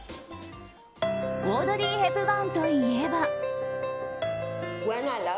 オードリー・ヘプバーンといえば。